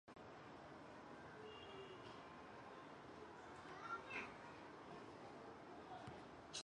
许多政策分析把识字率作为对一个区域的人力资本价值的关键性衡量标准。